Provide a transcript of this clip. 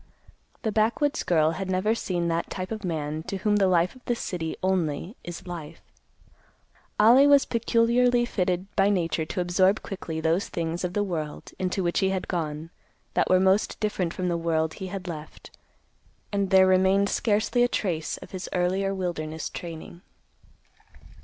The backwoods girl had never seen that type of man to whom the life of the city, only, is life. Ollie was peculiarly fitted by nature to absorb quickly those things of the world, into which he had gone, that were most different from the world he had left; and there remained scarcely a trace of his earlier wilderness training.